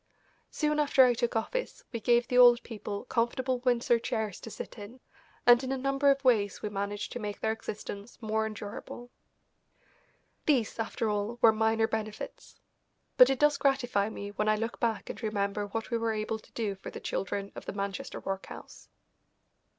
Soon after I took office we gave the old people comfortable Windsor chairs to sit in, and in a number of ways we managed to make their existence more endurable. These, after all, were minor benefits. But it does gratify me when I look back and remember what we were able to do for the children of the Manchester workhouse.